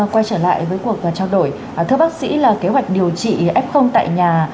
quay trở lại với cuộc trao đổi thưa bác sĩ là kế hoạch điều trị f tại nhà